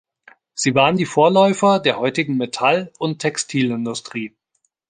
Sie waren die Vorläufer der heutigen Metall- und Textilindustrie.